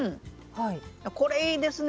これいいですね。